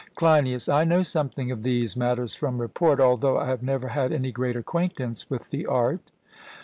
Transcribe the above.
CLEINIAS: I know something of these matters from report, although I have never had any great acquaintance with the art.